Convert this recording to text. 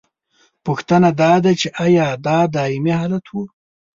پوښتنه دا ده چې ایا دا دائمي حالت و؟